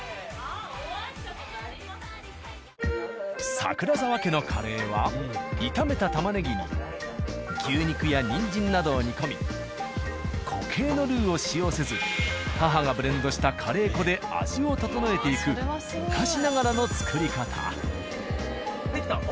櫻澤家のカレーは炒めた玉ねぎに牛肉やにんじんなどを煮込み固形のルーを使用せず母がブレンドしたカレー粉で味を調えていく出来た。